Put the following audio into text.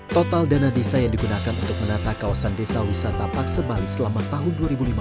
total dana desa yang digunakan untuk menata kawasan desa wisata paksebali selama tahun dua ribu lima belas